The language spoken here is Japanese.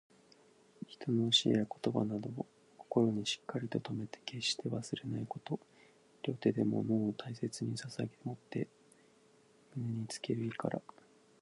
人の教えや言葉などを、心にしっかりと留めて決して忘れないこと。両手で物を大切に捧ささげ持って胸につける意から。